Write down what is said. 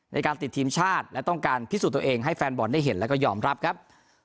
ในการติดทีมชาติและต้องการพิสูจน์ตัวเองให้แฟนบอลได้เห็นแล้วก็ยอมรับครับ